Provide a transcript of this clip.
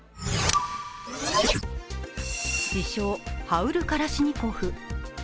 自称、ハウル・カラシニコフ。